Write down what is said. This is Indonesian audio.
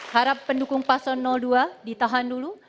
harap pendukung paslon dua ditahan dulu